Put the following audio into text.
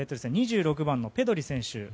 ２６番のペドリ選手。